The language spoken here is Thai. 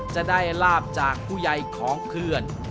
จะได้ลาบจากผู้ใหญ่ของเพื่อน